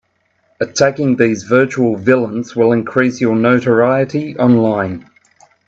Attacking these virtual villains will increase your notoriety online.